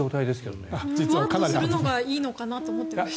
もっといるのがいいのかなと思ったんですが。